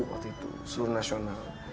waktu itu seluruh nasional